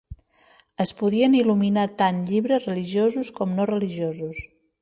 Es podien il·luminar tant llibres religiosos com no religiosos.